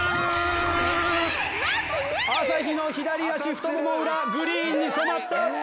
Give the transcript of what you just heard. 朝日の左足太モモ裏グリーンに染まった。